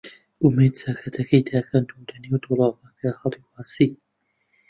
ئومێد چاکەتەکەی داکەند و لەنێو دۆڵابەکە هەڵی واسی.